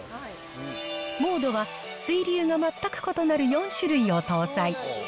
モードは水流が全く異なる４種類を搭載。